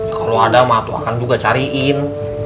kalau ada mah tuh akan juga cariin